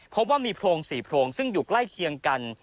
พบว่ามีโพรง๔โพรงซึ่งอยู่ใกล้เคียงกัน